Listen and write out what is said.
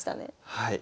はい。